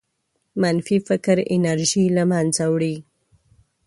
منفي فکر انرژي له منځه وړي.